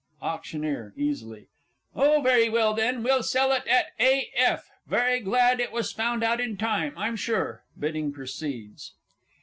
AUCT. (easily). Oh, very well then, we'll sell it "A. F." Very glad it was found out in time, I'm sure. [_Bidding proceeds.